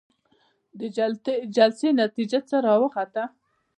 د جلسې نتيجه څه راوخته؟